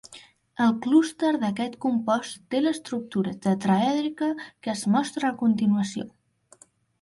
El clúster d'aquest compost té l'estructura tetraèdrica que es mostra a continuació.